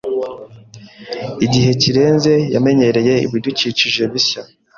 Igihe kirenze, yamenyereye ibidukikije bishya.